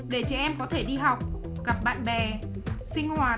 để trẻ em có thể đi học gặp bạn bè sinh hoạt